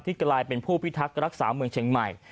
กลายเป็นผู้พิทักษ์รักษาเมืองเชียงใหม่